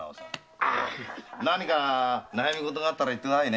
何か悩み事があったら言ってください。